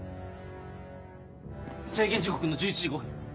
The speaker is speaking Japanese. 制限時刻の１１時５分。